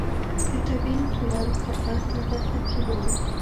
د طبيعي تونل په ارته برخه کې و.